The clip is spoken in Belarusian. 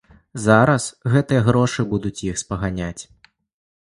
Зараз гэтыя грошы будуць з іх спаганяць.